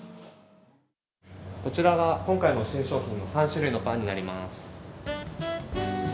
こちらが今回の新商品の３種類のパンになります。